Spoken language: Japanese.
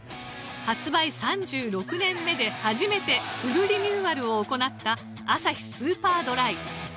発売３６年目で初めてフルリニューアルを行ったアサヒスーパードライ。